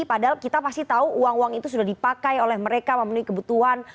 padahal kita pasti tahu uang uang itu sudah dipakai oleh mereka memenuhi kebutuhan